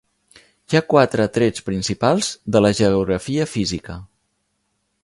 Hi ha quatre trets principals de la geografia física.